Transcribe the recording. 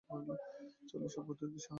চলো, সবাই ওদের উদ্দেশ্যে হাততালি দেই!